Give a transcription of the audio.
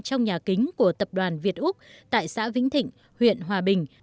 trong nhà kính của tập đoàn việt úc tại xã vĩnh thịnh huyện hòa bình